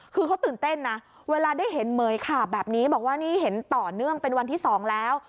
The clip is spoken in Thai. คือเขาตื่นเต้นนะเวลาได้เห็นเหมือยขาบแบบนี้บอกว่านี่เห็นต่อเนื่องเป็นวันที่๒แล้ว